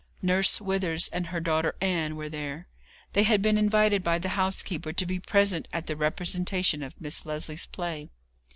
Nurse Withers and her daughter Ann were there; they had been invited by the housekeeper to be present at the representation of Miss Lesley's play.